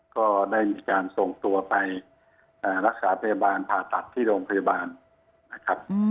ก็ได้มีการส่งตัวไปรักษาพยาบาลผ่าตัดที่โรงพยาบาลนะครับ